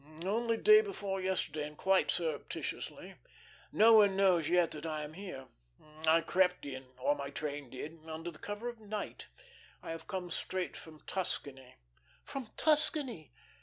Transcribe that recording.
"Only day before yesterday, and quite surreptitiously. No one knows yet that I am here. I crept in or my train did under the cover of night. I have come straight from Tuscany." "From Tuscany?"